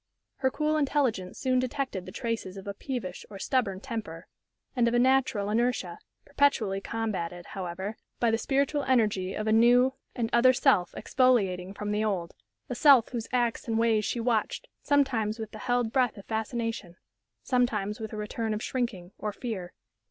Her cool intelligence soon detected the traces of a peevish or stubborn temper, and of a natural inertia, perpetually combated, however, by the spiritual energy of a new and other self exfoliating from the old; a self whose acts and ways she watched, sometimes with the held breath of fascination, sometimes with a return of shrinking or fear.